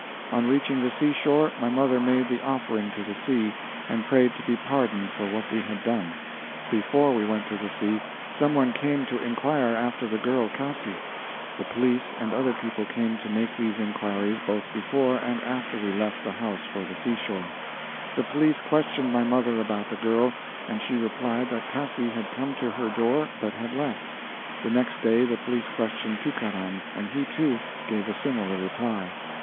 On reaching the seashore, my mother made the offering to the sea, and prayed to be pardoned for what we had done. Before we went to the sea, some one came to inquire after the girl Cassi. The police and other people came to make these inquiries both before and after we left the house for the seashore. The police questioned my mother about the girl, and she replied that Cassi had come to her door, but had left. The next day the police questioned Tookaram, and he, too, gave a similar reply.